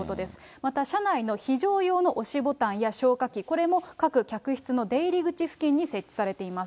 また車内の非常用の押しボタンや、消火器、これも各客室の出入り口付近に設置されています。